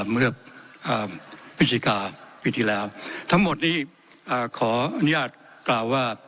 เมื่อพฤศจิกาปีที่แล้วทั้งหมดนี้ขออนุญาตกล่าวว่า